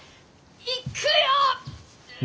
行くよ！